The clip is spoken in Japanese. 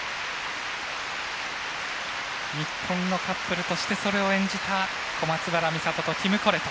日本のカップルとしてそれを演じた小松原美里とティムコレト。